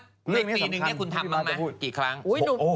หนุ่มเนี่ยคนตรวจตลอดเลย